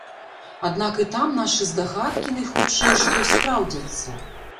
Аднак і там нашы здагадкі, найхутчэй што, спраўдзяцца.